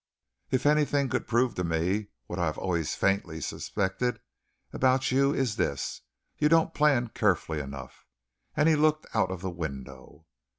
If anything could prove to me what I have always faintly suspected about you, it is this: You don't plan carefully enough " and he looked out of the window.